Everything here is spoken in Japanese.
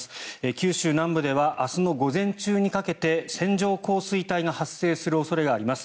九州南部では明日の午前中にかけて線状降水帯が発生する恐れがあります。